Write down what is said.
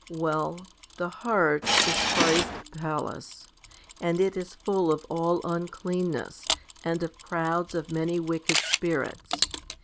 Well, the heart is Christ's palace, and it is full of all uncleanness, and of crowds of many wicked spirits.